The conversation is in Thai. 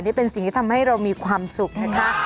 นี่เป็นสิ่งที่ทำให้เรามีความสุขนะคะ